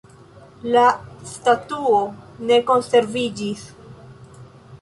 La statuo ne konserviĝis.